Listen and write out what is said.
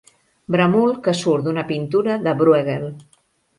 Bramul que surt d'una pintura de Brueghel.